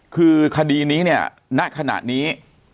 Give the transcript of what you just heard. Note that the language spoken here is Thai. คือคดีนี้เนี่ยณขณะนี้